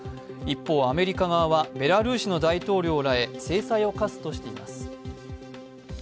一方、アメリカ側がベラルーシの大統領らへ制裁を科すとしています。